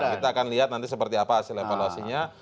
kita akan lihat nanti seperti apa hasil evaluasinya